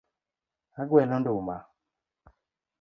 Agwelo nduma.